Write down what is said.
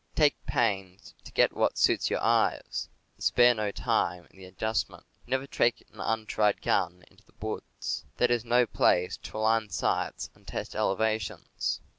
Take pains to get what suits your eyes, and spare no time in the adjustment. Never take an untried gun into the woods. That is no place to align sights and test ele vations.